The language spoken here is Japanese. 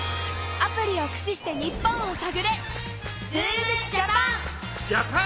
アプリをくししてニッポンをさぐれ！